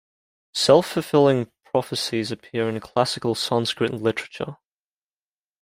Self-fulfilling prophecies appear in classical Sanskrit literature.